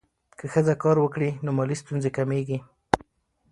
که ښځه کار وکړي، نو مالي ستونزې کمېږي.